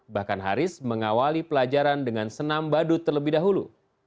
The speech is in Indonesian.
bahkan haris mengawali pelajaran dengan senam badut terlebih dahulu